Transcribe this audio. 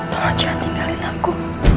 tolong jangan tinggalin aku